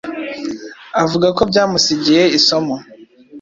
avuga ko byamusigiye isomo